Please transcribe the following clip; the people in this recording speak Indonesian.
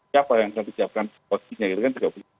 siapa yang akan menyiapkan sekocinya itu kan